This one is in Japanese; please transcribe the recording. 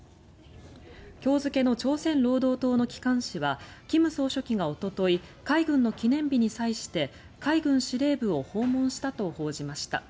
今日付の朝鮮労働党の機関紙は金総書記がおととい海軍の記念日に際して海軍司令部を訪問したと報じました。